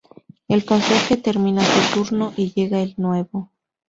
El conserje termina su turno y llega el nuevo.